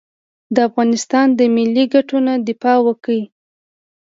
د افغانستان د ملي ګټو نه دفاع وکړي.